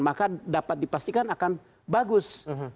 maka dapat dipastikan akan bagus